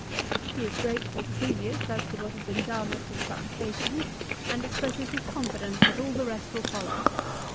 He is grateful to Caelius as to what has been done as to the supplication, and expresses his confidence that all the rest will follow.